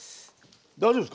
大丈夫ですか？